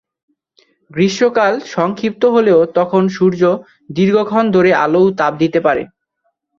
গ্রীষ্মকাল সংক্ষিপ্ত হলেও তখন সূর্য দীর্ঘক্ষণ ধরে আলো ও তাপ দিতে পারে।